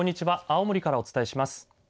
青森からお伝えします。